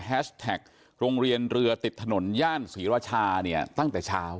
แท็กโรงเรียนเรือติดถนนย่านศรีราชาเนี่ยตั้งแต่เช้า